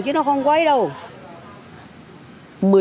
chứ nó không quay đâu